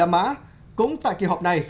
bảy mươi năm mã cũng tại kỳ họp này